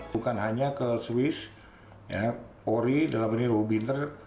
bukan hanya ke swiss polri dalam ini robinter